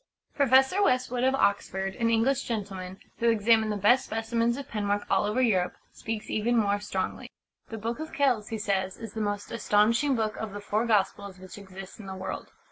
Professor Westwood, of Oxford an English gentleman who examined the best specimens of penwork all over Europe, speaks even more strongly. "The Book of Kells," he says, "is the most astonishing book of the Four Gospels which exists in the world.